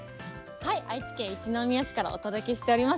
はい、愛知県一宮市からお届けしております。